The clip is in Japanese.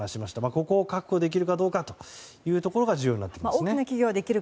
ここを確保できるかどうかが重要になってきます。